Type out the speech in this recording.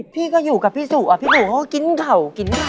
พี่ก็อยู่กับพี่สุอ่ะพี่หนูก็กินเขา